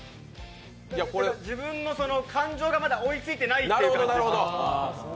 自分の感情がまだ追いついていないみたいな感じで。